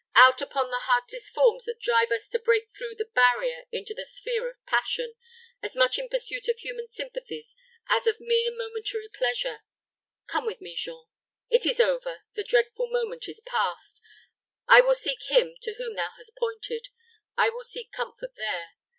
Out upon the heartless forms that drive us to break through their barrier into the sphere of passion, as much in pursuit of human sympathies as of mere momentary pleasure! Come with me, Jean. It is over the dreadful moment is past I will seek him to whom thou hast pointed I will seek comfort there.